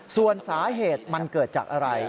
ส่วนสาเหตุมันเกิดจากอะไร